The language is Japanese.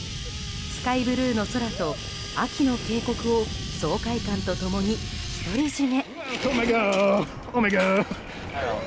スカイブルーの空と秋の渓谷を爽快感と共に独り占め。